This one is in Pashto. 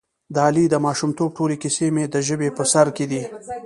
د علي د ماشومتوب ټولې کیسې مې د ژبې په سر کې دي.